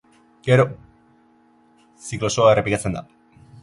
Gero, ziklo osoa errepikatzen da.